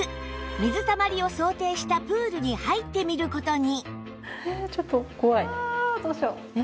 水たまりを想定したプールに入ってみる事に